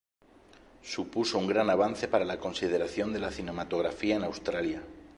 Supuso un gran avance para la consideración de la cinematografía en Australia.